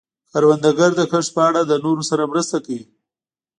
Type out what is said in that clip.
کروندګر د کښت په اړه د نورو سره مرسته کوي